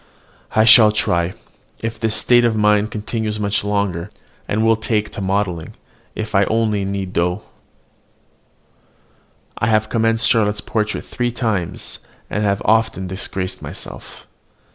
I shall try, if this state of mind continues much longer, and will take to modelling, if I only knead dough. I have commenced Charlotte's portrait three times, and have as often disgraced myself.